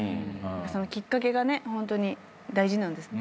そのきっかけがホントに大事なんですね。